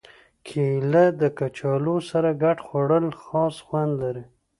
کېله د کچالو سره ګډ خوړل خاص خوند لري.